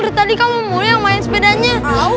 dari tadi kamu mulu yang main sepedanya